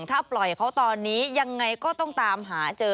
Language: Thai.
ถ้าปล่อยเขาตอนนี้ยังไงก็ต้องตามหาเจอ